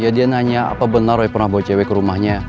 ya dia nanya apa benar oleh pernah bawa cewek ke rumahnya